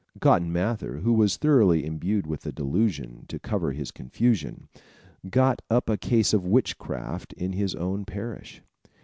Cotton Mather, who was thoroughly imbued with the delusion, to cover his confusion, got up a case of witchcraft in his own parish.